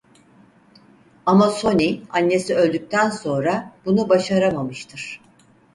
Ama Sonny annesi öldükten sonra bunu başaramamıştır.